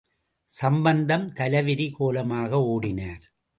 சம்பந்தம் தலைவிரி கோலமாக ஓடினார்.